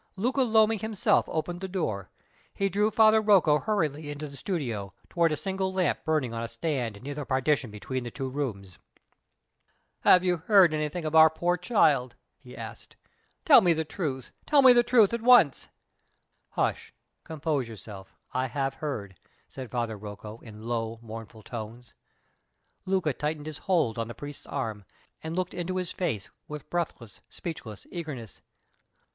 Luca Lomi himself opened the door. He drew Father Rocco hurriedly into the studio toward a single lamp burning on a stand near the partition between the two rooms. "Have you heard anything of our poor child?" he asked. "Tell me the truth! tell me the truth at once!" "Hush! compose yourself. I have heard," said Father Rocco, in low, mournful tones. Luca tightened his hold on the priest's arm, and looked into his face with breathless, speechless eagerness.